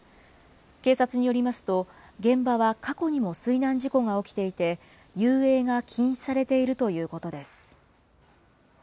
警察によりますと、現場は過去にも水難事故が起きていて、遊泳が禁止されているということです。